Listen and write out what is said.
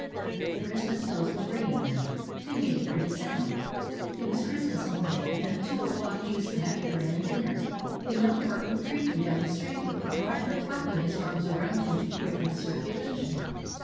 ... The Christmas bells were ringing now; they made a pretty sound. It was Christmas morning, and at two o'clock he was to have a grand dinner. ... A milk cart went creaking down the street, with the driver clapping his arms around him to quicken the circulation.